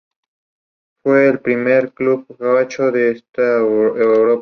Su superficie favorita son las canchas duras y su tiro favorito es la derecha.